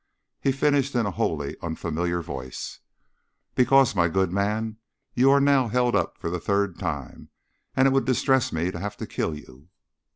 He finished in a wholly unfamiliar voice, "Because, my good man, you are now held up for the third time, and it would distress me to have to kill you."